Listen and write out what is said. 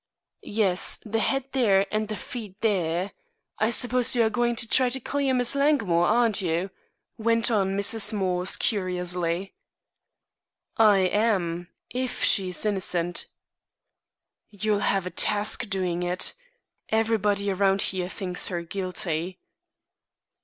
"Yes the head there, and the feet there. I suppose you are going to try to clear Miss Langmore, aren't you?" went on Mrs. Morse curiously. "I am if she is innocent." "You'll have a task doing it. Everybody around here thinks her guilty."